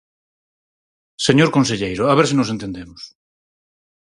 Señor conselleiro, a ver se nos entendemos.